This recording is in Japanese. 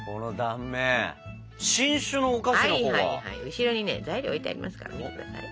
後ろにね材料置いてありますから見てください。